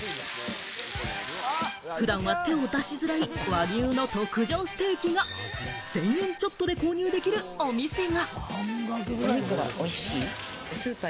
普段は手を出しづらい和牛の特上ステーキが１０００円ちょっとで購入できるお店が！